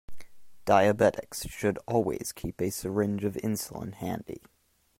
Diabetics should always keep a syringe of insulin handy.